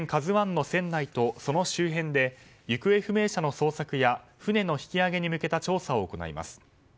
「ＫＡＺＵ１」の船内とその周辺で行方不明者の捜索や船の引き揚げに向けた調査を行います。